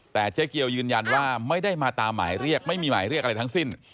แต่เจ๊เกียวยืนยันว่าไม่ได้มาตามหมายเรียกไม่มีหมายเรียกอะไรทั้งสิ้น